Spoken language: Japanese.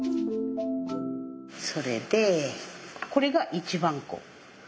それでこれが一番粉。